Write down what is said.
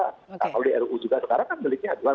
kalau di ruu juga sekarang kan deliknya aduan